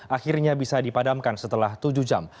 akhirnya bisa dipadamkan setelah tujuh jam